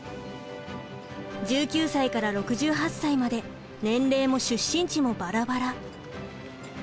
１９歳から６８歳まで年齢も出身地もバラバラ。